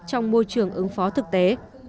trong môi trường ứng phó thực tế